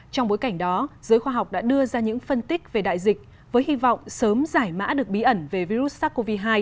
trong bối cảnh đó giới khoa học đã đưa ra những phân tích về đại dịch với hy vọng sớm giải mã được bí ẩn về virus sars cov hai